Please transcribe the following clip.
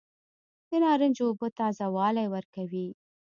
د نارنج اوبه تازه والی ورکوي.